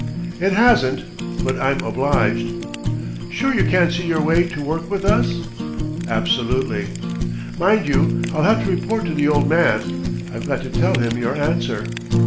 "It hasn't. But I'm obliged." "Sure you can't see your way to work with us?" "Absolutely." "Mind you, I'll have to report to the Old Man. I've got to tell him your answer."